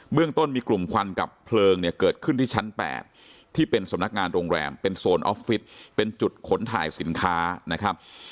เรื่องต้นมีกลุ่มควันกับเพลิงเนี่ยเกิดขึ้นที่ชั้น๘ที่เป็นสำนักงานโรงแรมเป็นโซนออฟฟิศเป็นจุดขนถ่ายสินค้านะครับ